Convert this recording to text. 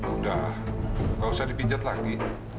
udah gak usah dipijat lagi